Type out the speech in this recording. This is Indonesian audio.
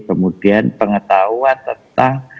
kemudian pengetahuan tentang